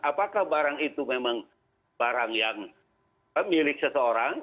apakah barang itu memang barang yang milik seseorang